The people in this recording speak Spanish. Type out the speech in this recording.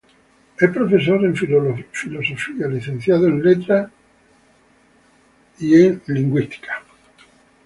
Es profesor de filosofía, licenciado en letras y licenciado en teología.